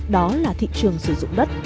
đó là thị trường sử dụng đất